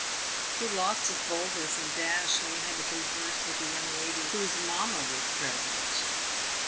He lost his boldness and dash when he had to converse with a young lady whose mamma was pre sent.